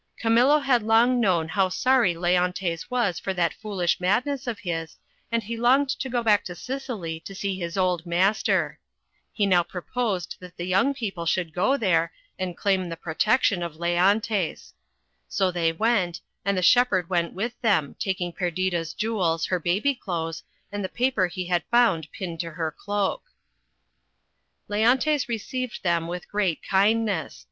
Camillo had long known how sorry Leontes was for that foolish madness of his, and he longed to go back to Sicily to see his old mas ter. He now proposed that the young people should go there and THE WINTER'S TALE. 75 claim the protection of Leontes. So they went, and the shepherd went with them, taking Perdita's jewels, her baby clothes, and the paper he had found pinned to her cloak. Leontes received them with great kindness.